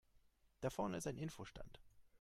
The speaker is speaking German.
Da vorne ist ein Info-Stand.